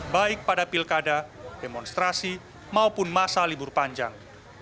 baik pada pilkada demonstrasi maupun masa libur panjang